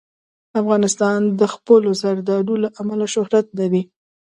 افغانستان د خپلو زردالو له امله شهرت لري.